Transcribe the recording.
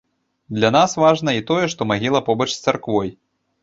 Для нас важна і тое, што магіла побач з царквой.